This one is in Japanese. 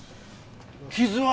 傷は？